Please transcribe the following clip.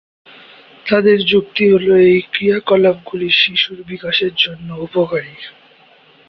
তাদের যুক্তি হল এই ক্রিয়াকলাপগুলি শিশুর বিকাশের জন্য উপকারী।